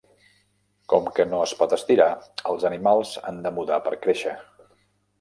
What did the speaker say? Com que no es pot estirar, els animals han de mudar per créixer.